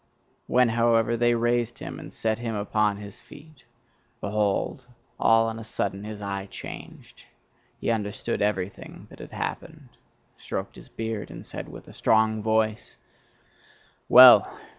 When, however, they raised him, and set him upon his feet, behold, all on a sudden his eye changed; he understood everything that had happened, stroked his beard, and said with a strong voice: "Well!